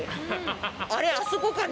あれ、あそこかね？